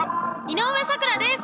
井上咲楽です！